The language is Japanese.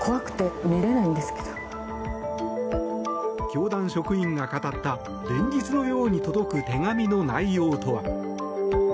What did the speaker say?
教団職員が語った連日のように届く手紙の内容とは。